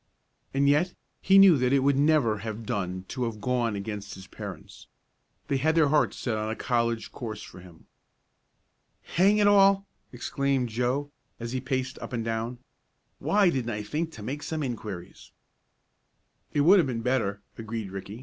And yet he knew that it would never have done to have gone against his parents. They had their hearts set on a college course for him. "Hang it all!" exclaimed Joe, as he paced up and down, "why didn't I think to make some inquiries?" "It would have been better," agreed Ricky.